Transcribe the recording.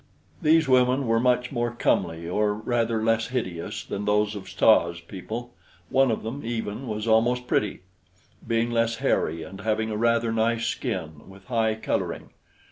These women were much more comely, or rather less hideous than those of Tsa's people; one of them, even, was almost pretty, being less hairy and having a rather nice skin, with high coloring.